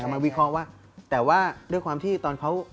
มาวิเคราะห์ว่าแต่ว่าด้วยความที่ตอนเขา